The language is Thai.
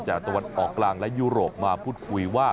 ตะวันออกกลางและยุโรปมาพูดคุยว่า